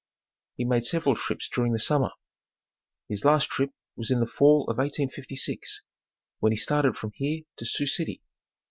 He made several trips during the summer. His last trip was in the fall of 1856, when he started from here to Sioux City.